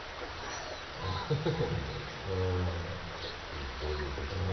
いいね上手にできたね。